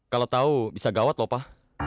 kalau tahu bisa gawat lho pak